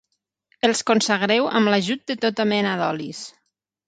Els consagreu amb l'ajut de tota mena d'olis.